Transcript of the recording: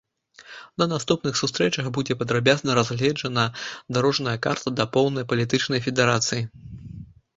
На наступных сустрэчах будзе падрабязна разгледжана дарожная карта да поўнай палітычнай федэрацыі.